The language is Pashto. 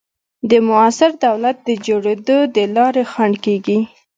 د موثر دولت د جوړېدو د لارې خنډ کېږي.